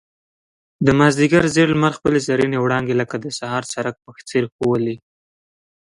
د مازيګر زېړ لمر خپل زرينې وړانګې لکه د سهار څرک په څېر ښوولې.